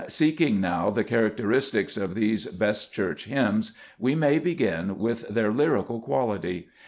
Seeking now the characteristics of these "best Church hymns," we may begin with their lyrical quality.